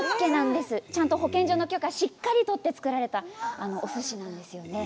ちゃんと保健所の許可をしっかりと取って造られたおすしなんですよね。